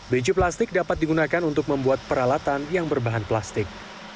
biji plastik dapat digunakan untuk membuat peralatan yang berbahan plastik